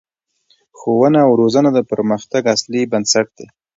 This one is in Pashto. ښوونه او روزنه د پرمختګ اصلي بنسټ دی